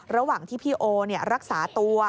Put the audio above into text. ระหว่างที่พี่โอรักษาตัว